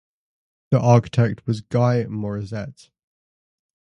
The architect was Guy Morizet.